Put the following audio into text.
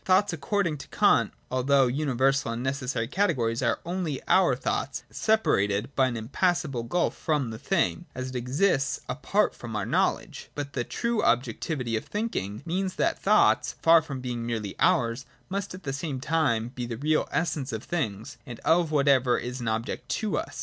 Thoughts, according to Kant, although universal and necessary categories, are only our thoughts — separated by an impassable gulf from the thing, as it exists apart from our knowledge. But the true objectivity of thinking means that the thoughts, far from being merely ours, must at the same time be the real essence of the things, and of whatever is an object to us.